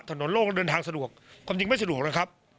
โลกเดินทางสะดวกความจริงไม่สะดวกนะครับ